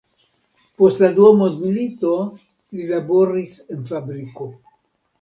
Post la dua mondmilito, li laboris en fabriko.